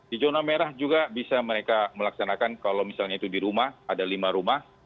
di zona merah juga bisa mereka melaksanakan kalau misalnya itu di rumah ada lima rumah